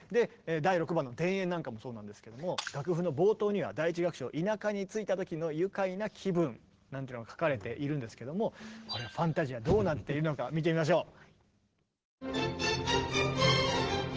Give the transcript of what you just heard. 第６番の「田園」なんかもそうなんですけれども楽譜の冒頭には第１楽章「田舎に着いた時の愉快な気分」なんていうのが描かれているんですけども「ファンタジア」どうなっているのか見てみましょう。